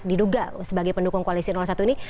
diduga sebagai pendukung koalisi satu ini